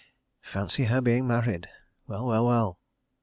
... Fancy her being married! Well, well, well!